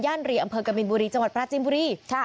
ย่านรีอำเพิงกะมินบุรีจังหวัดปราจินบุรีใช่